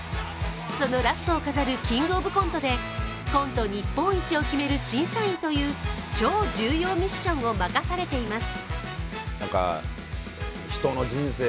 そのラストを飾る「キングオブコント」でコント日本一を決める審査員という超重要ミッションを任されています。